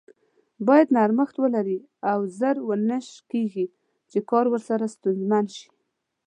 بايد نرمښت ولري او زر و نه شکیږي چې کار ورسره ستونزمن شي.